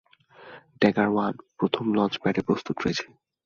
Dagger one, প্রথম launch প্যাডে প্রস্তুত রয়েছে।